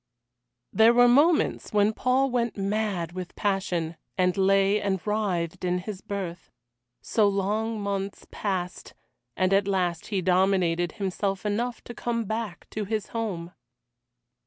There were moments when Paul went mad with passion, and lay and writhed in his berth. So long months passed, and at last he dominated himself enough to come back to his home.